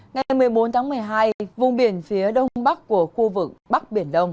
ngày một mươi bốn tháng một mươi hai vùng biển phía đông bắc của khu vực bắc biển đông